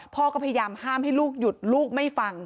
พ่อก็พยายามห้ามให้ลูกหยุดลูกไม่ฟัง